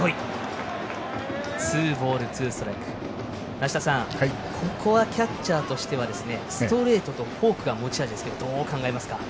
梨田さんここはキャッチャーとしてストレートとフォークが持ち味ですけど、どう考えますか。